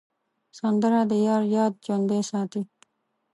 سندره د یار یاد ژوندی ساتي